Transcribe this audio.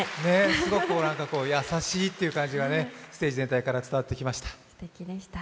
すごく優しいっていう感じがステージ全体から伝わってきました。